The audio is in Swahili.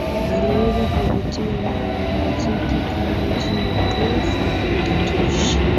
Aliweza kuvutiwa na wanamuziki kama Jimmy Cliff na Peter Tosh